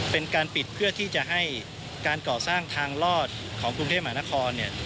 เป็นการปิดเพื่อที่จะให้การก่อสร้างทางลอดของกรุงเทพมหานครเนี่ย